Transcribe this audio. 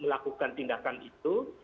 melakukan tindakan itu